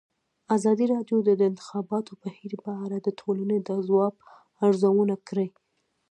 ازادي راډیو د د انتخاباتو بهیر په اړه د ټولنې د ځواب ارزونه کړې.